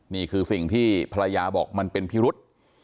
นี่คือสิ่งที่ภรรยาบอกมันเป็นพิรุษ